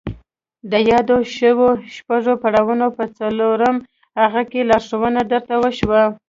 د يادو شويو شپږو پړاوونو په څلورم هغه کې لارښوونه درته وشوه.